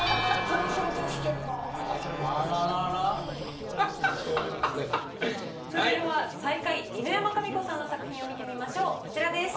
それでは最下位犬山紙子さんの作品を見てみましょうこちらです。